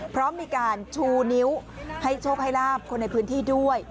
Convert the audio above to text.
พร้อมมีการชูนิ้วให้โชคให้ลาบคนในพื้นที่ด้วย